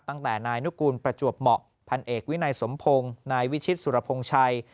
ตั้งแต่นายนุกูลประจวบเหมาะพันเอกวินัยสมพงศ์นายวิชิตสุรพงศ์ชัย